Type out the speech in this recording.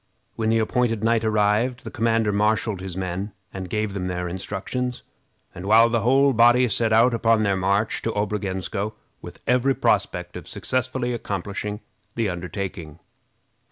When the appointed night arrived, the commander marshaled his men and gave them their instructions, and the whole body set out upon their march to Obrogensko with every prospect of successfully accomplishing the undertaking.